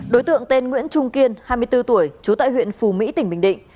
đối tượng tên nguyễn trung kiên hai mươi bốn tuổi trú tại huyện phù mỹ tỉnh bình định